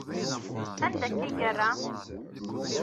Anda akka i yerra?